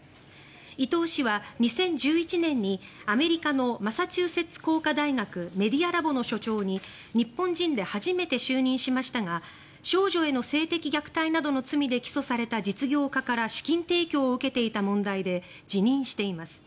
伊藤氏は２０１１年にアメリカのマサチューセッツ工科大学メディアラボの所長に日本人で初めて就任しましたが少女への性的虐待などの罪で起訴された実業家から資金提供を受けていた問題で辞任しています。